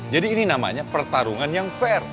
jadi ini namanya pertarungan yang fair